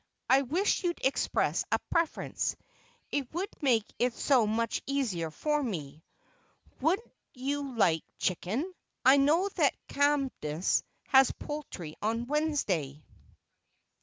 I wish you'd express a preference; it would make it so much easier for me. Would you like chicken? I know that Cadmus has poultry on Wednesday."